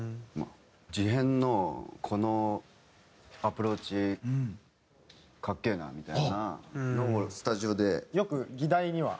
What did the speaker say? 事変のこのアプローチかっけえなみたいなのをスタジオで。